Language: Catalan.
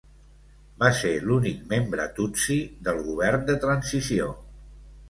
Va ser l'únic membre tutsi del govern de transició.